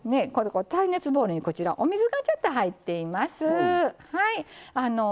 耐熱ボウルにお水が、ちょっと入っています。